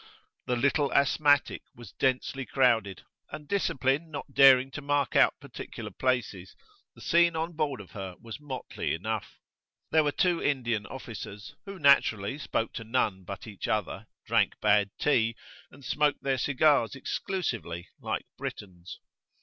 The "Little Asthmatic" was densely crowded, and discipline not daring to mark out particular places, the scene on board of her was motley enough. There were two Indian officers, who naturally spoke to none but each other, drank bad tea, and smoked their cigars exclusively [p.33]like Britons.